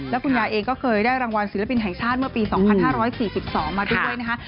แล้วคุณยายเองก็เคยได้รางวัลศิลปินแห่งชาติเมื่อปี๒๕๔๒มาด้วยนะคะ